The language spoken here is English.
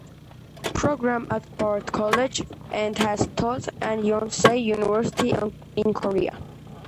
Program at Bard College and has taught at Yonsei University in Korea.